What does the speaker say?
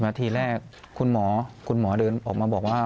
๓๐นาทีแรกคุณหมอเดินออกมาบอกว่า